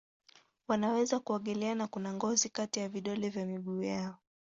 Wanaweza kuogelea na kuna ngozi kati ya vidole vya miguu yao.